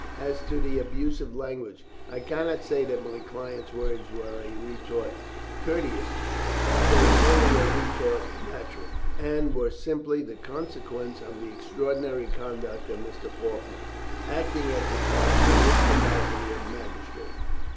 As to the abusive language, I cannot say that my client's words were a retort courteous, but they were only a retort natural, and were simply the consequence of the extraordinary conduct of Mr. Faulkner, acting at the time in his capacity of magistrate.